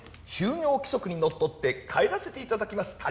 就業規則にのっとって帰らせていただきます